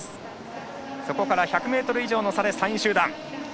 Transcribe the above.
そこから１００ｍ以上の差で３位集団。